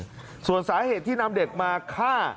ส่วนสาเหตุที่นำเด็กมาฆ่า